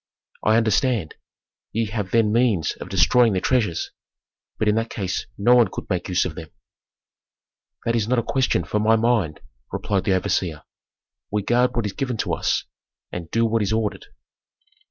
"I understand. Ye have then means of destroying the treasures. But in that case no one could make use of them." "That is not a question for my mind," replied the overseer. "We guard what is given to us, and do what is ordered."